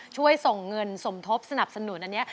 ช่วยส่งเงินสมทบสนับสนุนอันนี้